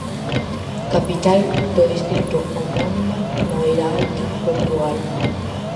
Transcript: Capital do distrito homónimo, na Beira Alta, Portugal.